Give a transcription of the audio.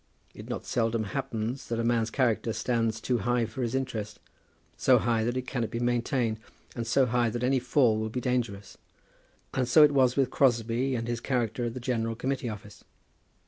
It not seldom happens that a man's character stands too high for his interest, so high that it cannot be maintained, and so high that any fall will be dangerous. And so it was with Crosbie and his character at the General Committee Office.